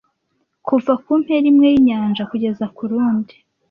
kuva kumpera imwe yinjyana kugeza kurundi